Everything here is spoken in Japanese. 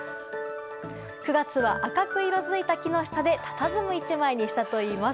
９月は赤く色づいた木の下でたたずむ１枚にしたといいます。